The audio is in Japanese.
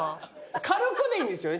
軽くでいいんですよね？